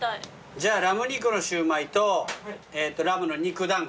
じゃあラム肉の焼売とラムの肉団子。